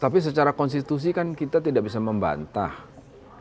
tapi secara konstitusi kan kita tidak bisa membantah